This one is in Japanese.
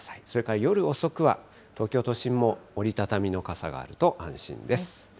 それから夜遅くは東京都心も折り畳みの傘があると安心です。